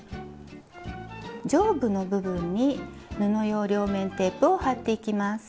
上部の部分に布用両面テープを貼っていきます。